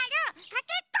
かけっこ！